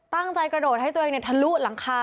กระโดดให้ตัวเองทะลุหลังคา